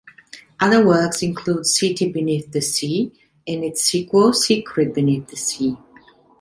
Other works include "City Beneath the Sea" and its sequel "Secret Beneath the Sea".